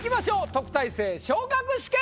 特待生昇格試験！